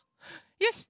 よし！